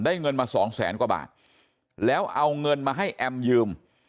เงินมาสองแสนกว่าบาทแล้วเอาเงินมาให้แอมยืม